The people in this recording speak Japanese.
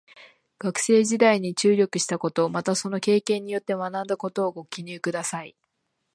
学生時代に注力したこと、またその経験によって学んだことをご記入ください。